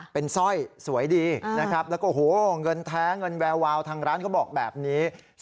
เป็นสร้อยสวยดีนะครับแล้วก็โอ้โหเงินแท้เงินแวววาวทางร้านเขาบอกแบบนี้